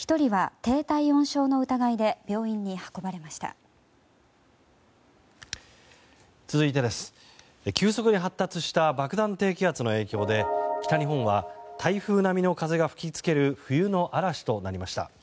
低気圧の影響で北日本は、台風並みの風が吹きつける冬の嵐となりました。